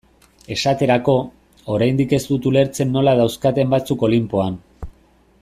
Esaterako, oraindik ez dut ulertzen nola dauzkaten batzuk Olinpoan.